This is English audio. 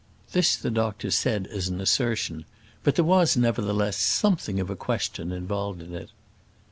This the doctor said as an assertion; but there was, nevertheless, somewhat of a question involved in it.